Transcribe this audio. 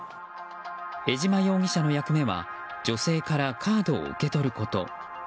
江島容疑者の役目は女性からカードを受け取ること。